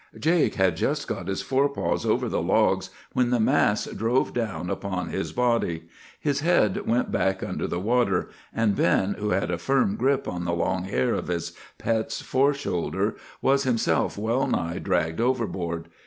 "Jake had just got his fore paws over the logs when the mass drove down upon his body. His head went back under the water; and Ben, who had a firm grip in the long hair of his pet's fore shoulders, was himself well nigh dragged overboard.